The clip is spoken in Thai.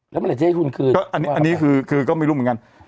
แล้วเมื่อไหร่จะให้คุณคืนก็อันนี้คือก็ไม่รู้เหมือนกัน